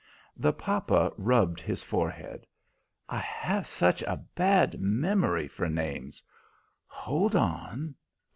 The papa rubbed his forehead. "I have such a bad memory for names. Hold on!